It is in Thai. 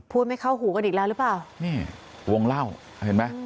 ไม่เข้าหูกันอีกแล้วหรือเปล่านี่วงเล่าเห็นไหม